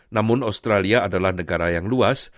namun australia adalah negara yang luas